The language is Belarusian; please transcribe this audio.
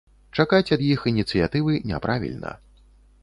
Чакаць ад іх ініцыятывы няправільна.